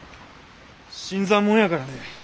新参者やからね。